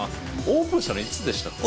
オープンしたのいつでしたっけ？